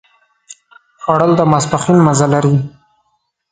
خوړل د ماسپښين مزه لري